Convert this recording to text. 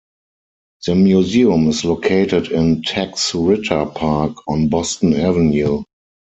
The museum is located in Tex Ritter Park on Boston Avenue.